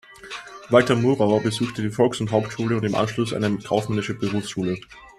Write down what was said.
Walter Murauer besuchte die Volks- und Hauptschule und im Anschluss eine kaufmännische Berufsschule.